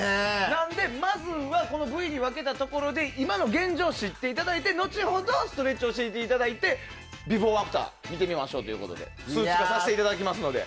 なので、まずは部位に分けたところで今の現状を知っていただいて後ほど、ストレッチを教えていただいてビフォーアフターを見てみましょうということで数値化させていただきますので。